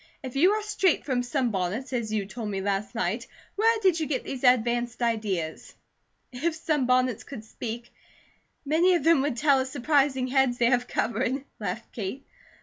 If you are straight from sunbonnets, as you told me last night, where did you get these advanced ideas?" "If sunbonnets could speak, many of them would tell of surprising heads they have covered," laughed Kate.